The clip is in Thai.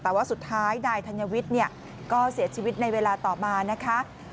แต่ว่าสุดท้ายนายธัญวิทย์ก็เสียชีวิตในเวลาต่อมานะคะ